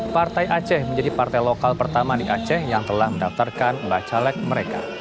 partai aceh menjadi partai lokal pertama di aceh yang telah mendaftarkan bacalek mereka